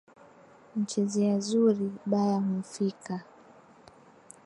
Mchezea zuri, baya humfika